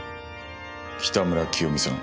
北村清美さん